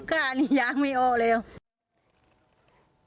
กล้านี้ย้างไม่โอ๊ยเลยอ่ะ